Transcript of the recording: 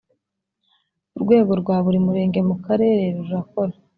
urwego rwa buri murenge mu karere rurakora